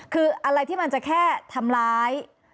คืออะไรที่มันจะแค่ทำร้าย